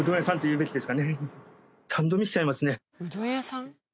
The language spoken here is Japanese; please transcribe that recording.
うどん屋さん？